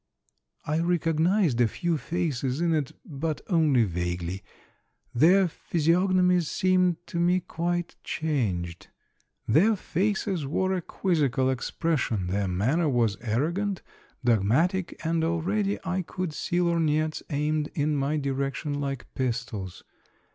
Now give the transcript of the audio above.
I recognized a few faces in it, but only vaguely ; their physiognomies seemed to me quite changed. Their faces wore a quizzical expression, their manner was arrogant, dogmatic, and already I could see lorgnettes aimed in my di rection like pistols.